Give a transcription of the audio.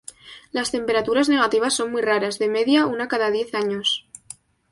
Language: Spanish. Las temperaturas negativas son muy raras, de media, una cada diez años.